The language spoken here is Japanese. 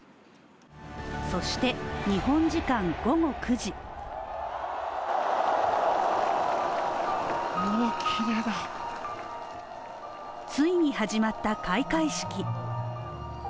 そして日本時間午後９時ついに始まった開会式。